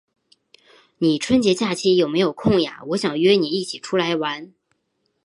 你春节假期有没有空呀？我想约你一起出来玩。